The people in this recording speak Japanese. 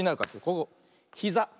ここひざ。